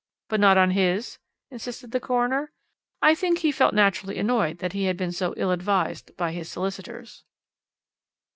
"'But not on his?' insisted the coroner. "'I think he felt naturally annoyed that he had been so ill advised by his solicitors.'